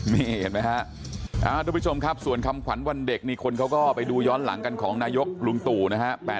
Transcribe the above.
มีบ่ชมครับส่วนคำขวัญวันเด็กมีคนเขาก็ไปดูย้อนหลังกันของนายกลุงตู่นะฮะ